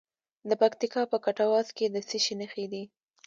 د پکتیکا په کټواز کې د څه شي نښې دي؟